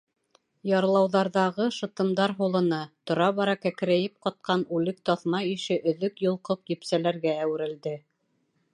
Ярлауҙарҙағы шытымдар һулыны, тора-бара кәкрәйеп ҡатҡан үлек таҫма ише өҙөк-йолҡоҡ епсәләргә әүерелде.